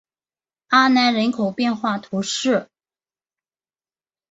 阿南人口变化图示